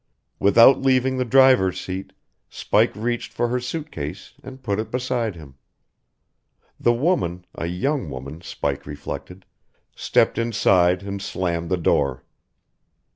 Without leaving the driver's seat, Spike reached for her suit case and put it beside him. The woman a young woman, Spike reflected stepped inside and slammed the door.